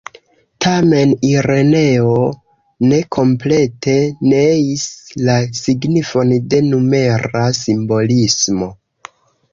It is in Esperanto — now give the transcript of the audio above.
Tamen Ireneo ne komplete neis la signifon de numera simbolismo.